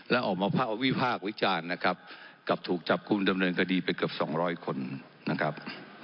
และออกมาอวิภาควิชานะครับก็ถูกจับควบคุมดำเนินกดีไปเกือบ๒๐๐คนนะครับ